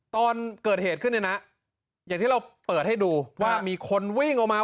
ตอนเกิดเหตุขึ้นเนี่ยนะอย่างที่เราเปิดให้ดูว่ามีคนวิ่งออกมา